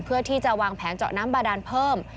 เพื่อที่จะวางแผงเจาะน้ำบาดานเพิ่ม